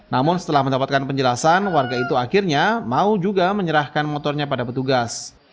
namun setelah mendapatkan penjelasan warga itu akhirnya mau juga menyerahkan motornya pada petugas